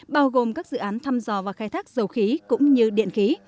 bao gồm các dự án thăm dò và khai thác dầu khí cũng như điện khí